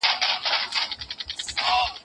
کمپيوټر د ټکنالوژۍ زړه دی.